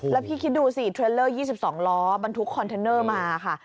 แล้วพี่คิดดูสิเทรลเลอร์๒๒ล้อบรรทุกคอนเทนเนอร์มาค่ะ